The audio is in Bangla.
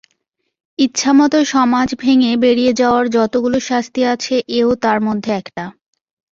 ইচ্ছামত সমাজ ভেঙে বেরিয়ে যাওয়ার যতগুলো শাস্তি আছে এও তার মধ্যে একটা।